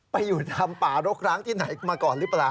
ไปอยู่ทำป่ารกร้างที่ไหนมาก่อนหรือเปล่า